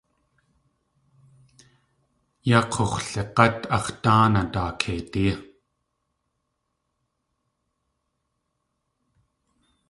Yaa k̲ux̲wlig̲át ax̲ dáanaa daakeidí.